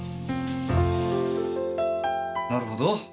なるほど。